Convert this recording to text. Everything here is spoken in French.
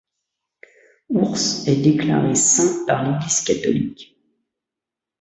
Ours est déclaré Saint par l'Eglise Catholique.